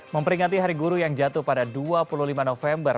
memperingati hari guru yang jatuh pada dua puluh lima november